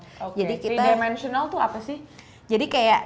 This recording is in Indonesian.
oke tiga dimensional itu apa sih